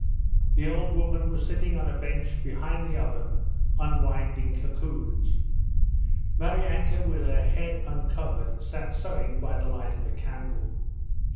The old woman was sitting on a bench behind the oven unwinding cocoons. Maryanka with her head uncovered sat sewing by the light of a candle.